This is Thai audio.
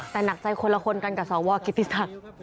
แต่หนักใจคนละคนกันกับสวกิติศักดิ์